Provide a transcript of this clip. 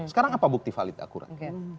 sekarang apa bukti valid akurat